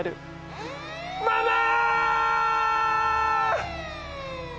ママ！